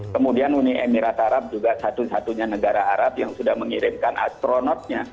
kemudian uni emirat arab juga satu satunya negara arab yang sudah mengirimkan astronotnya